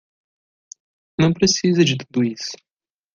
Não precisa de tudo isso.